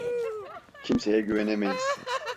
Kimseye güvenemeyiz.